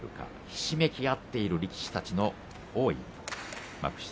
ひしめき合っている力士たちの多い幕下